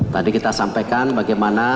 tadi kita sampaikan bagaimana